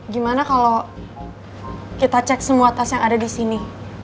gimana kalau kita cek semua tas yang ada di sini